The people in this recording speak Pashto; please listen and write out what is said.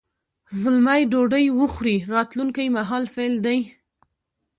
زلمی ډوډۍ وخوري راتلونکي مهال فعل دی.